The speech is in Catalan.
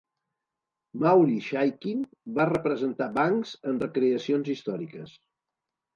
Maury Chaykin va representar Banks en recreacions històriques.